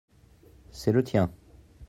c'est le tien.